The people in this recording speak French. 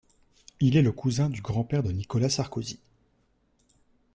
Il est le cousin du grand-père de Nicolas Sarkozy.